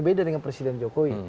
beda dengan presiden jokowi